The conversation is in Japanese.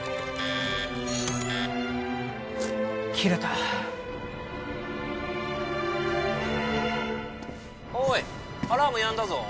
切れたおーいアラームやんだぞ